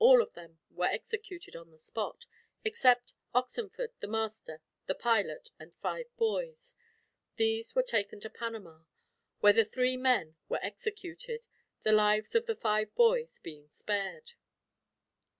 All of them were executed on the spot; except Oxenford, the master, the pilot, and five boys. These were taken to Panama, where the three men were executed, the lives of the five boys being spared.